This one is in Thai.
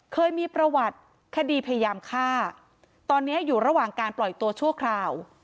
เคยมีประวัติคดีพยายามฆ่าตอนนี้อยู่ระหว่างการปล่อยตัวชั่วคราว